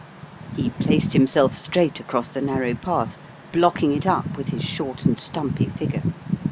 He placed himself straight across the narrow path, blocking it up with his short and stumpy figure.